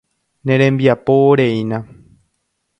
Nerembiaporeína.